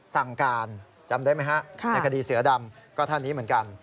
สั่งการจำได้ไหมฮะในคดีเสือดำก็ท่านนี้เหมือนกัน